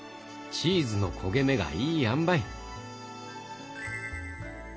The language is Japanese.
チーズの焦げ目がいいあんばい。